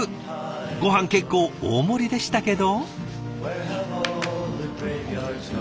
ごはん結構大盛りでしたけど。